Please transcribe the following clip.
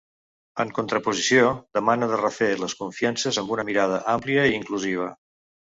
En contraposició, demana de refer les confiances amb una mirada àmplia i inclusiva.